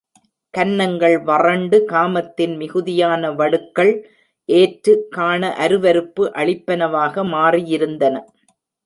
கன்னங்கள் வறண்டு, காமத்தின் மிகுதியான வடுக்கள் ஏற்று காண அருவருப்பு அளிப்பனவாக மாறியிருந்தன.